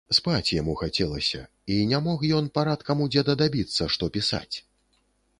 Спаць яму хацелася і не мог ён парадкам у дзеда дабіцца, што пісаць?